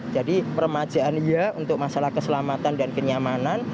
jadi permajaan iya untuk masalah keselamatan dan kenyamanan